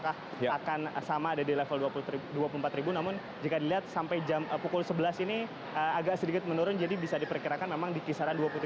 akan sama ada di level dua puluh empat namun jika dilihat sampai pukul sebelas ini agak sedikit menurun jadi bisa diperkirakan memang di kisaran dua puluh tiga